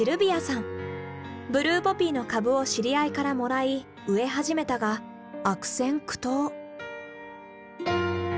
ブルーポピーの株を知り合いからもらい植え始めたが悪戦苦闘。